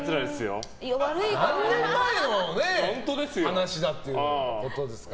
何年前の話だっていうことですから。